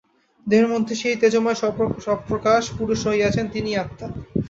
দেহের মধ্যে সেই তেজোময় স্বপ্রকাশ পুরুষ রহিয়াছেন, তিনিই আত্মা।